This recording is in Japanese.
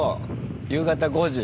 夕方５時。